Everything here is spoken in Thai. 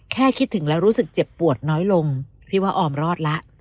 แค่คิดถึงแล้วรู้สึกเจ็บปวดน้อยลงพี่ว่าออมรอดแล้ว